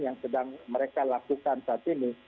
yang sedang mereka lakukan saat ini